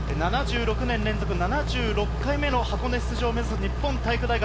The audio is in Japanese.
７６年連続７６回目の箱根出場を目指す日本体育大学。